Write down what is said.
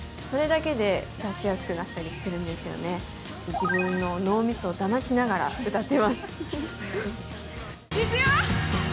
自分の脳みそをだましながら歌っています。